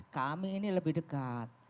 kami ini lebih dekat